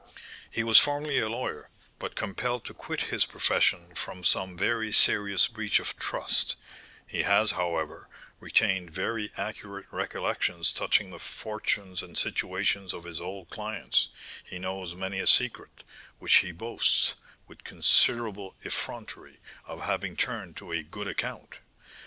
He was formerly a lawyer, but compelled to quit his profession from some very serious breach of trust; he has, however, retained very accurate recollections touching the fortunes and situations of his old clients; he knows many a secret, which he boasts, with considerable effrontery, of having turned to a good account.